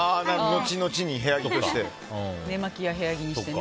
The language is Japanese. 後々に部屋着として。